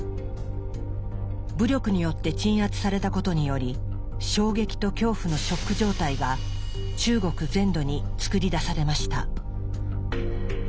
武力によって鎮圧されたことにより「衝撃と恐怖」のショック状態が中国全土に作り出されました。